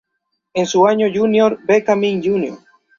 En su año junior, Beckham Jr.